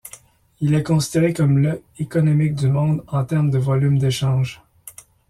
Il est considéré comme le économique du monde en termes de volume d'échange.